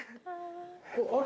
あれ？